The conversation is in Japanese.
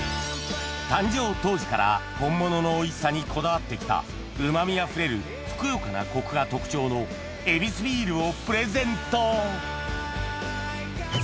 誕生当時から本物のおいしさにこだわって来たうま味あふれるふくよかなコクが特徴のヱビスビールをプレゼント